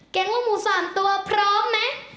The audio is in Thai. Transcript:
แก๊งลูกหมูสามตัวพร้อมไหม